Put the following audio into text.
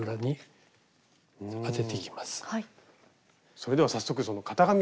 それでは早速その型紙作り。